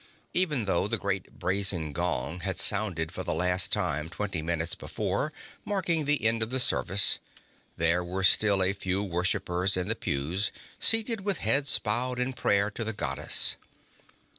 Even though the great brazen gong had sounded for the last time twenty minutes before, marking the end of the service, there were still a few worshippers in the pews, seated with heads bowed in prayer to the Goddess.